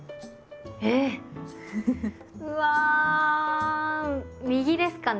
えっ⁉うわ右ですかね？